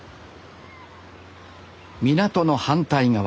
港の反対側。